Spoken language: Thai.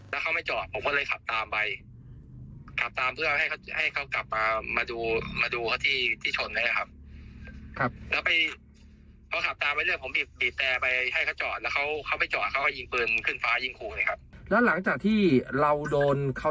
แล้วเขาไม่จอดผมก็เลยขับตามไป